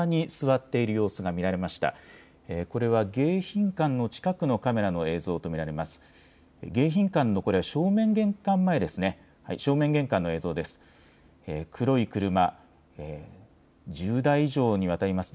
これは迎賓館の近くのカメラの映像と見られます。